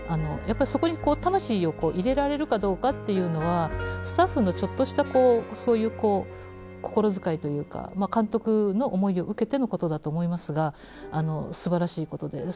やっぱりそこに魂を入れられるかどうかっていうのはスタッフのちょっとしたそういう心遣いというか監督の思いを受けてのことだと思いますがすばらしいことで。